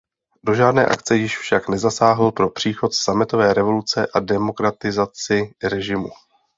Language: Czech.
Do žádné akce již však nezasáhl pro příchod sametové revoluce a demokratizaci režimu.